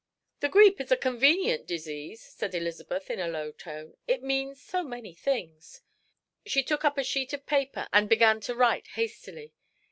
"The grippe is a convenient disease," said Elizabeth, in a low tone, "it means so many things." She took up a sheet of paper and began to write hastily.